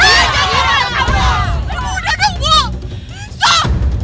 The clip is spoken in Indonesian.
udah dong bu stop